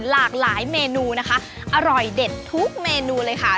หลากหลายเมนูนะคะอร่อยเด็ดทุกเมนูเลยค่ะ